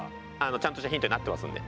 ちゃんとしたヒントになってますんで。